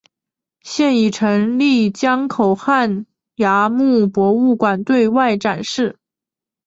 现已成立江口汉崖墓博物馆对外展示。